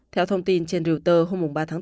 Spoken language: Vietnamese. theo thông tin trên reuters hôm ba tháng bốn